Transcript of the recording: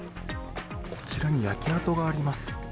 こちらに焼け跡があります。